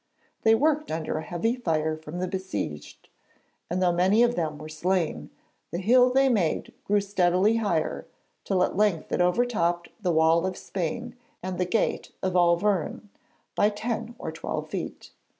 They worked under a heavy fire from the besieged, and though many of them were slain, the hill they made grew steadily higher till at length it overtopped the wall of Spain and the gate of Auvergne by ten or twelve feet.